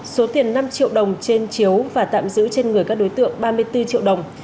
số tiền năm triệu đồng trên chiếu và tạm giữ trên người các đối tượng ba mươi bốn triệu đồng